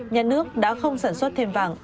nhà nước đã không sản xuất thêm vàng